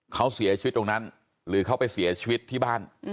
เขาเสียชีวิตตรงนั้นหรือเขาไปเสียชีวิตที่บ้าน